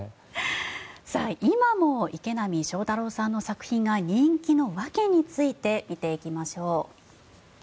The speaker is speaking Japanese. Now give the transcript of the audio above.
今も池波正太郎さんの作品が人気の訳について見ていきましょう。